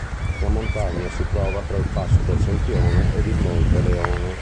La montagna si trova tra il Passo del Sempione ed il Monte Leone.